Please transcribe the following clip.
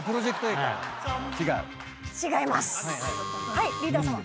はいリーダーさま。